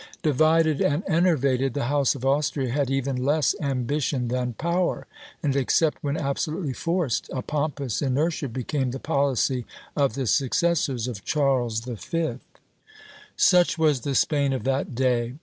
Divided and enervated, the house of Austria had even less ambition than power, and except when absolutely forced, a pompous inertia became the policy of the successors of Charles V." Such was the Spain of that day.